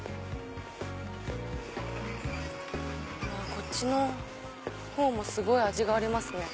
こっちの方もすごい味がありますね。